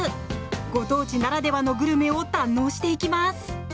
ご当地ならではのグルメを堪能していきます。